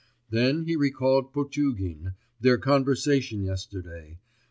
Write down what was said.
Then he recalled Potugin, their conversation yesterday....